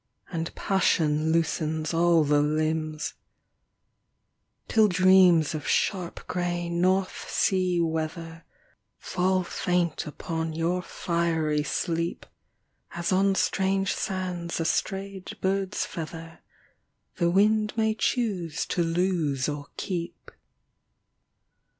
And passion loosens all the limbs ; Till dreams of sharp grey north sea weather Fall faint upon your fiery sleep. As on strange sands a strayed bird's feather The wind may choose to lose or keep.